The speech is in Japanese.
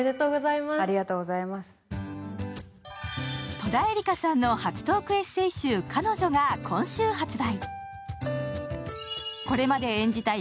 戸田恵梨香さんの初トークエッセー集「彼女」が今週発売。